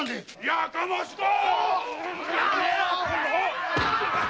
やかましか！